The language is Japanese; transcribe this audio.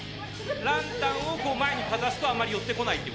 ランタンを前にかざすとあまり寄ってこないと。